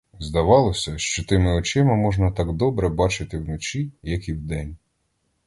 Здавалося, що тими очима можна так добре бачити в ночі, як і в день.